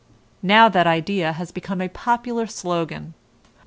Now that idea has become a popular slogan.